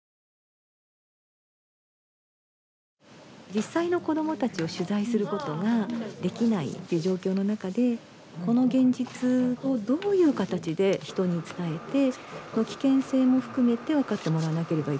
実際の子どもたちを取材することができないっていう状況の中でこの現実をどういう形で人に伝えて危険性も含めて分かってもらわなければいけないのか。